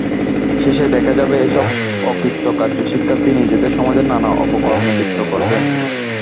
শেষে দেখা যাবে, এসব অকৃতকার্য শিক্ষার্থী নিজেদের সমাজের নানা অপকর্মে লিপ্ত করবে।